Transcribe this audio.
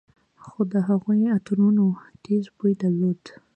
خو د هغوى عطرونو تېز بوى درلود.